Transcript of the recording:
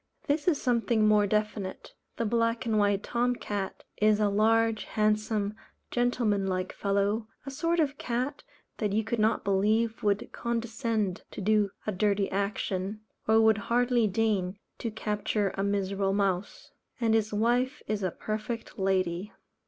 This is something more definite. The Black and white Tom cat is a large, handsome, gentlemanlike fellow, a sort of cat that you could not believe would condescend to do a dirty action, or would hardly deign to capture a miserable mouse; and his wife is a perfect lady.